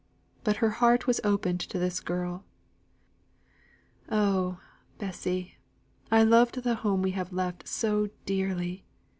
But her heart was opened to this girl: "Oh, Bessy, I loved the home we have left so dearly!